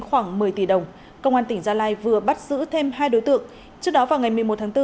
khoảng một mươi tỷ đồng công an tỉnh gia lai vừa bắt giữ thêm hai đối tượng trước đó vào ngày một mươi một tháng bốn